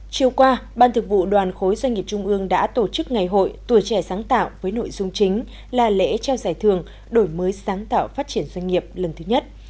chiều qua ban thực vụ đoàn khối doanh nghiệp trung ương đã tổ chức ngày hội tuổi trẻ sáng tạo với nội dung chính là lễ trao giải thưởng đổi mới sáng tạo phát triển doanh nghiệp lần thứ nhất